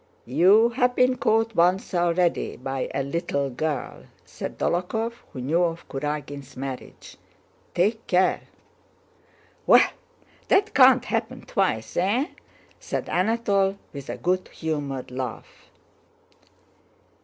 "You have been caught once already by a 'little girl,'" said Dólokhov who knew of Kurágin's marriage. "Take care!" "Well, that can't happen twice! Eh?" said Anatole, with a good humored laugh.